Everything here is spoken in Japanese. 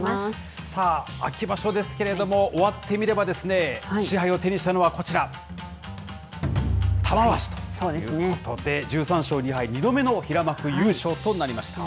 さあ、秋場所ですけれども、終わってみれば、賜杯を手にしたのはこちら、玉鷲ということで、１３勝２敗、２度目の平幕優勝となりました。